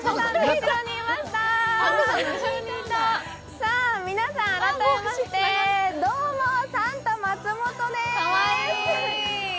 さあ皆さん、改めましてどうも、サンタ松元です。